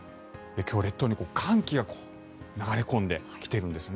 今日は列島に寒気が流れ込んできているんです。